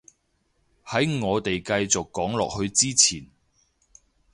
喺我哋繼續講落去之前